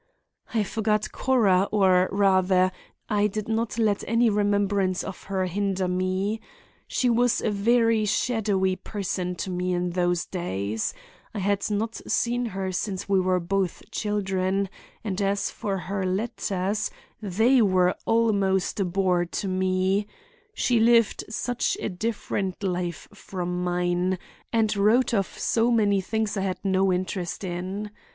"I forgot Cora, or, rather, I did not let any remembrance of her hinder me. She was a very shadowy person to me in those days. I had not seen her since we were both children, and as for her letters—they were almost a bore to me; she lived such a different life from mine and wrote of so many things I had no interest in.